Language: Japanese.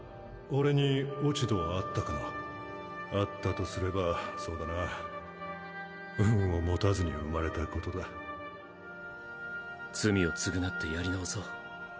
俺に落ち度はあっあったとすればそうだな運を持たずに生まれたことだ罪を償ってやり直そう。